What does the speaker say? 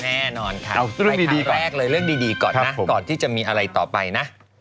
แน่นอนค่ะเอาเรื่องคดีแรกเลยเรื่องดีก่อนนะก่อนที่จะมีอะไรต่อไปนะ